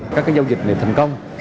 các giao dịch này thành công